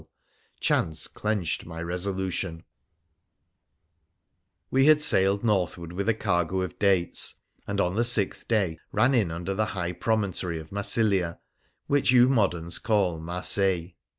8 WONDERFUL ADVENTURES OF We had sailed northward with a cargo of dates, and on the sixth day ran in under the high promontory of Massilia, which you moderns call Marseilles.